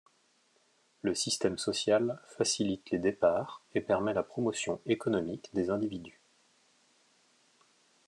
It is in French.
Le système social facilite les départs et permet la promotion économique des individus.